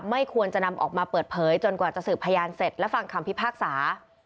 ไม่ควรจะนำออกมาเปิดเผยจนกว่าจะสืบพยานเสร็จและฟังคำพิพากษา